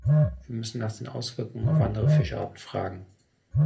Wir müssen nach den Auswirkungen auf andere Fischarten fragen.